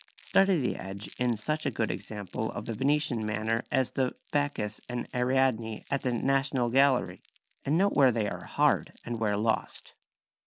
Study the edge in such a good example of the Venetian manner as the "Bacchus and Ariadne" at the National Gallery, and note where they are hard and where lost.